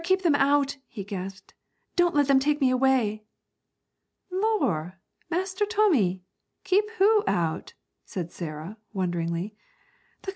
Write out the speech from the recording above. keep them out,' he gasped. 'Don't let them take me away!' 'Lor', Master Tommy! keep who out?' said Sarah, wonderingly.